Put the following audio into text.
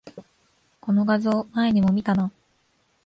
この画像、前にも見たな